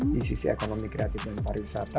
di sisi ekonomi kreatif dan pariwisata